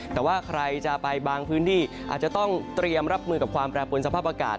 แต่ว่าใครจะไปบางพื้นที่อาจจะต้องเตรียมรับมือกับความแปรปวนสภาพอากาศ